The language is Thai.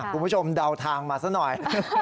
คุณผู้ชมเดาทางมาซะหน่อย